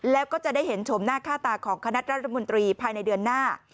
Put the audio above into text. แล้วก็จะได้เห็นชมหน้าค่าตาของคณะรัฐมนตรีภายในเดือนหน้า